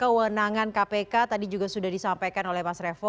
kewenangan kpk tadi juga sudah disampaikan oleh mas revo